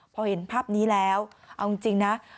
พอเห็นภาพนี้แล้วเอาจริงนะ